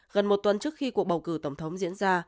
gần một tuần trước khi cuộc bầu cử tổng thống diễn ra